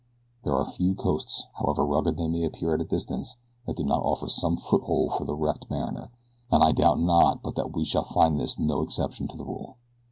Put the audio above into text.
There are few coasts, however rugged they may appear at a distance, that do not offer some foothold for the wrecked mariner, and I doubt not but that we shall find this no exception to the rule."